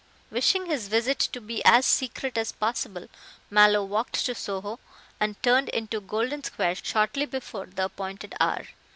Wishing his visit to be as secret as possible, Mallow walked to Soho and turned into Golden Square shortly before the appointed hour.